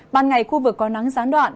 ban ngày khu vực có nắng gián đoạn